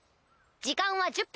時間は１０分。